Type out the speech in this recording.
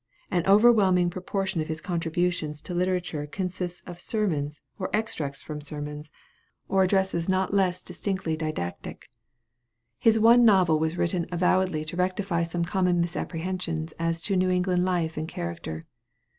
An overwhelming proportion of his contributions to literature consists of sermons or extracts from sermons, or addresses not less distinctively didactic. His one novel was written avowedly to rectify some common misapprehensions as to New England life and character.